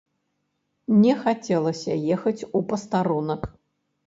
Не хацелася ехаць у пастарунак.